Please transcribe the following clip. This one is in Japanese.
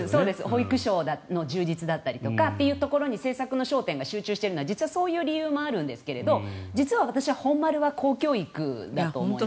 保育所の充実だったりというところに政策の焦点が集中しているのはそういう理由もあるんですが実は私は本丸は公教育だと思います。